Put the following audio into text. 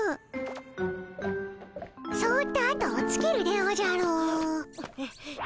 そっと後をつけるでおじゃる。